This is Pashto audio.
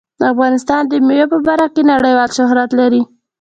افغانستان د مېوې په برخه کې نړیوال شهرت لري.